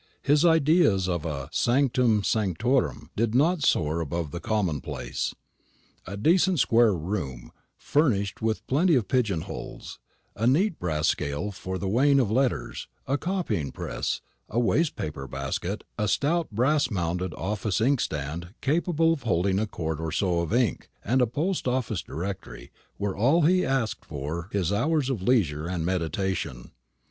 His ideas of a sanctum sanctorum did not soar above the commonplace. A decent square room, furnished with plenty of pigeon holes, a neat brass scale for the weighing of letters, a copying press, a waste paper basket, a stout brass mounted office inkstand capable of holding a quart or so of ink, and a Post office Directory, were all he asked for his hours of leisure and meditation.